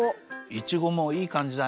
いちごもいいかんじだね